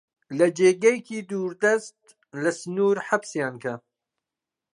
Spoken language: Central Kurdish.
لە جێگەیەکی دووردەست، لە سنوور حەبسیان کە!